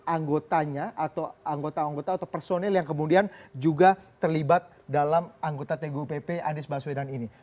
anggotanya atau anggota anggota atau personil yang kemudian juga terlibat dalam anggota tgupp anies baswedan ini